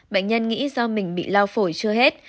bệnh nhân nghĩ do mình bị lao phổi chưa hết